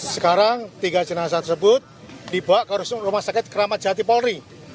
sekarang tiga jenazah tersebut dibawa ke rumah sakit keramat jati polri